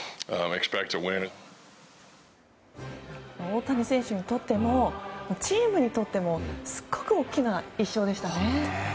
大谷選手にとってもチームにとってもすごく大きな１勝でしたね。